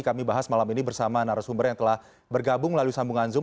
kami bahas malam ini bersama narasumber yang telah bergabung melalui sambungan zoom